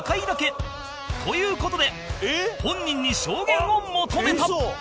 という事で本人に証言を求めた